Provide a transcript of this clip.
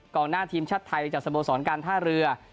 หน้าทีมชาติไทยจากสโมสรการท่าเรือ